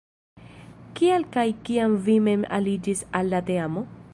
Kial kaj kiam vi mem aliĝis al la teamo?